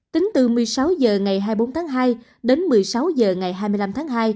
tính từ một mươi sáu h ngày hai mươi bốn tháng hai đến một mươi sáu h ngày hai mươi năm tháng hai